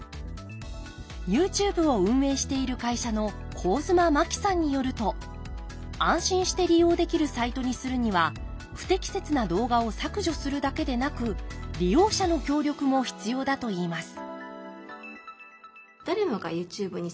ＹｏｕＴｕｂｅを運営している会社の上妻真木さんによると安心して利用できるサイトにするには不適切な動画を削除するだけでなく利用者の協力も必要だといいます